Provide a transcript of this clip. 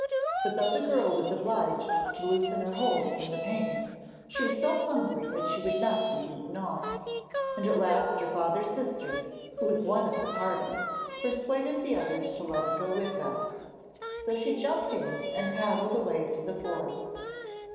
But though the girl was obliged to loosen her hold from pain, she was so hungry that she would not be beaten off, and at last her father's sister, who was one of the party, persuaded the others to let her go with them. So she jumped in and paddled away to the forest.